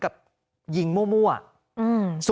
มันมีปืน